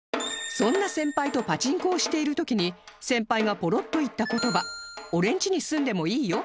そんな先輩とパチンコをしている時に先輩がポロッと言った言葉「俺ん家に住んでもいいよ」